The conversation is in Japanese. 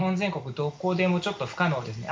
どこでもちょっと不可能です。